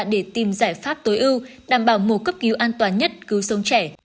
để tìm giải pháp tối ưu đảm bảo mổ cấp cứu an toàn nhất cứu sống trẻ